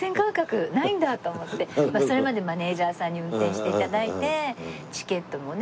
それまでマネジャーさんに運転して頂いてチケットもね